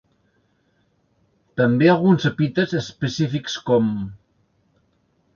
També alguns epítets específics com.